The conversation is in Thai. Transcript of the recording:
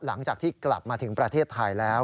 หลังจากที่กลับมาถึงประเทศไทยแล้ว